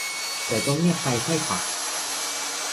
แต่ก็เงียบไปใช่ป่ะ